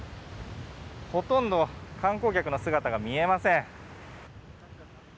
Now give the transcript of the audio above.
ほとんど観光客の姿が見えません。